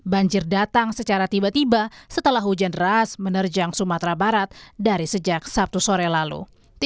banjir datang secara tiba tiba setelah hujan deras menerjang sumatera barat dari sejak sabtu sore lalu